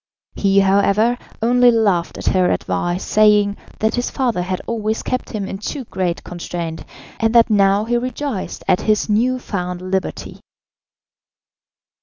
He, however, only laughed at her advice, saying, that his father had always kept him in too great constraint, and that now he rejoiced at his new found liberty.